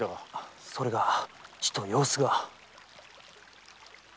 それがちと様子が。